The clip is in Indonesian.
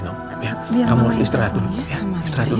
biar kamu istirahat dulu ya istirahat dulu